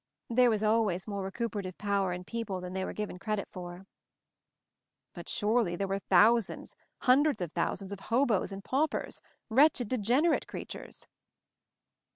There was always more re cuperative power in people than they were given credit for." "But surely there were thousands, hun dreds of thousands, of hoboes and paupers; wretched, degenerate creatures."